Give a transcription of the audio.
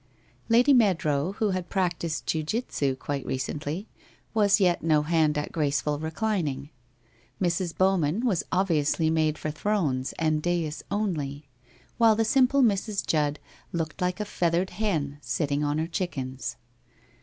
Lady Meadrow, who had practised Jiu jitsu quite recently, was yet no hand at graceful reclining. Mrs. Bowman was obviously made for thrones and dais only, while the simple Mrs. Judd looked like a feathered hen sitting on her chickens.